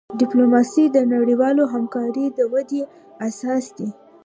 ډیپلوماسي د نړیوالی همکاری د ودي اساس دی.